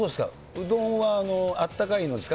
うどんはあったかいのですか？